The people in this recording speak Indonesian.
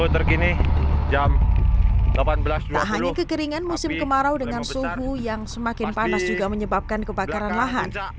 tak hanya kekeringan musim kemarau dengan suhu yang semakin panas juga menyebabkan kebakaran lahan